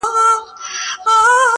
په خپل کور کي چي ورلوېږي زیندۍ ورو ورو٫